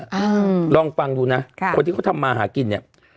อ่าลองฟังดูนะค่ะคนที่เขาทำมาหากินเนี้ย